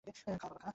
খা, বাব।